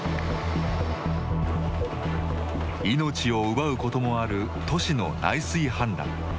命を奪うこともある都市の内水氾濫。